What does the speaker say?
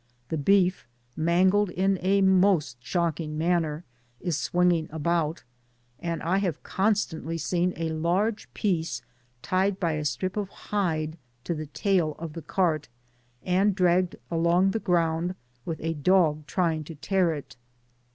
The \)eef, mangled in a most shocking manner, is swinging about; and I have constantly seen a large piece tied by a strip of hide to the tail of the cart, and diagged along the ground, with a dog trying to tear it.